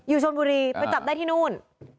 ชนบุรีไปจับได้ที่นู่น